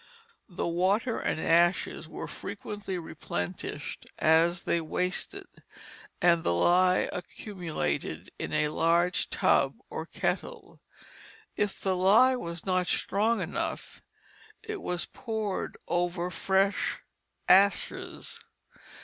The water and ashes were frequently replenished as they wasted, and the lye accumulated in a large tub or kettle. If the lye was not strong enough, it was poured over fresh ashes.